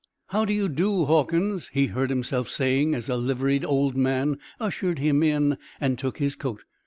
"How do you do, Hawkins," he heard himself saying, as a liveried old man ushered him in and took his coat.